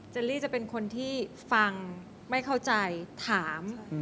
ลี่จะเป็นคนที่ฟังไม่เข้าใจถาม